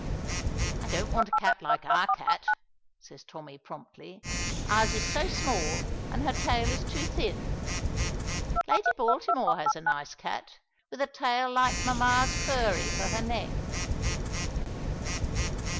"I don't want a cat like our cat," says Tommy, promptly. "Ours is so small, and her tail is too thin. Lady Baltimore has a nice cat, with a tail like mamma's furry for her neck."